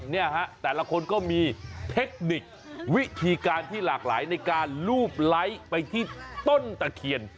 เนี่ยฮะแต่ละคนก็มีเทคนิควิธีการที่หลากหลายในการลูบไลค์ไปที่ต้นตะเคียน